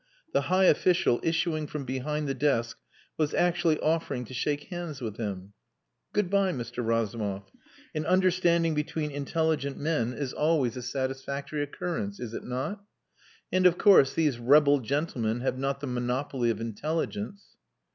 The high official, issuing from behind the desk, was actually offering to shake hands with him. "Good bye, Mr Razumov. An understanding between intelligent men is always a satisfactory occurrence. Is it not? And, of course, these rebel gentlemen have not the monopoly of intelligence."